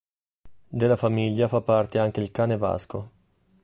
Della famiglia fa parte anche il cane Vasco.